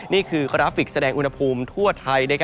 นี่คือกราฟิกแสดงอุณหภูมิทั่วไทย